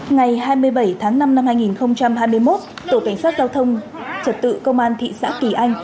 ngày hai mươi bảy tháng năm năm hai nghìn hai mươi một tổ cảnh sát giao thông trật tự công an thị xã kỳ anh